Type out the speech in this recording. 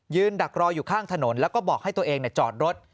ดักรออยู่ข้างถนนแล้วก็บอกให้ตัวเองจอดรถ